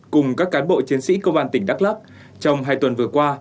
cùng các cán bộ chiến sĩ công an tỉnh đắk lắc trong hai tuần vừa qua